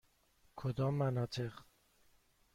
کدام مناطق؟